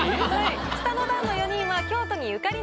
下の段の４人は。